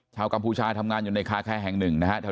กัมพูชาทำงานอยู่ในคาแคร์แห่งหนึ่งนะฮะ